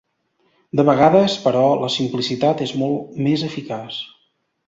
De vegades, però, la simplicitat és molt més eficaç.